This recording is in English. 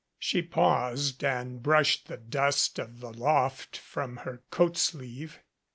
She paused and brushed the dust of the loft from her coat sleeve.